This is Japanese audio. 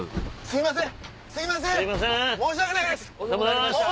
すいません